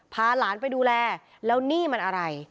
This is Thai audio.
พาหลานไปดูแลแล้วนี่มันอะไร